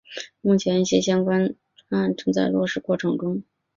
目前一些相关专案正在落实过程中。